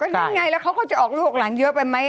ก็นั่นไงแล้วเขาก็จะออกลูกหลังเยื่อไปไหมอ่ะ